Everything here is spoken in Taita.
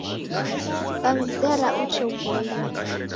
Kukamzera uchee uboilwa.